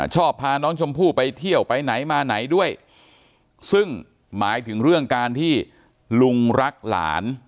พาน้องชมพู่ไปเที่ยวไปไหนมาไหนด้วยซึ่งหมายถึงเรื่องการที่ลุงรักหลาน